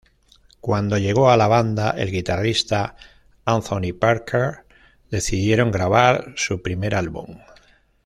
Cuando llegó a la banda el guitarrista Anthony Parker, decidieron grabar su primer álbum.